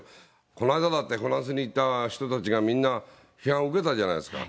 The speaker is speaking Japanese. この間だって、フランスに行った人たちがみんな批判を受けたじゃないですか。